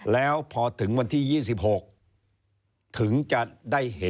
แล้วพอถึงวันที่๒๖ถึงจะได้เห็น